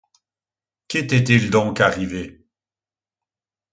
Qu'était-il donc arrivé ?